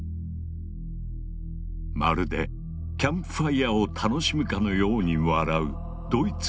まるでキャンプファイアを楽しむかのように笑うドイツの若者たち。